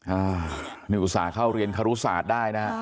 อ้านึกอุตส่าห์เข้าเรียนคารุศาจได้นะ